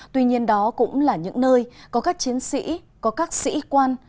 tuy nhiên đó cũng là những nơi có các chiến sĩ có các sĩ quan